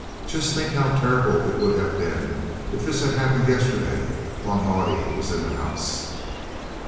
Just think how terrible it would have been if this had happened yesterday while Naudé was in the house!"